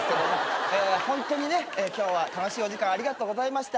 ホントにね今日は楽しいお時間ありがとうございました。